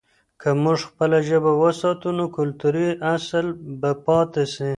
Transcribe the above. که موږ خپله ژبه وساتو، نو کلتوري اصل به پاته سي.